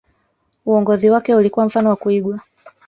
uongozi wake ulikuwa mfano wa kuigwa